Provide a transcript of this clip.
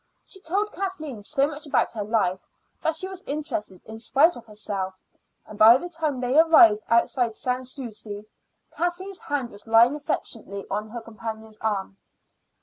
She told Kathleen so much about her life that she was interested in spite of herself! and by the time they arrived outside Sans Souci, Kathleen's hand was lying affectionately on her companion's arm.